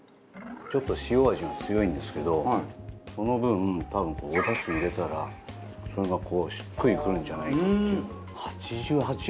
ちょっと塩味が強いんですけどその分多分おダシ入れたらそれがこうしっくりくるんじゃないかっていう。